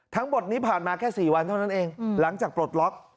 ทั้งหมดนี้ผ่านมาแค่๔วันเท่านั้นเองหลังจากปลดล็อก